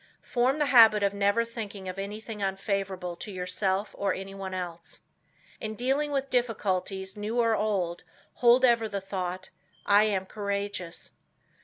Form the habit of never thinking of anything unfavorable to yourself or anyone else. In dealing with difficulties, new or old, hold ever the thought, "I am courageous."